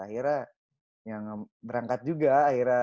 akhirnya yang berangkat juga akhirnya